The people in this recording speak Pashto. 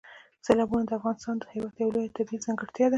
سیلابونه د افغانستان هېواد یوه لویه طبیعي ځانګړتیا ده.